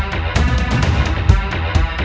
yang di call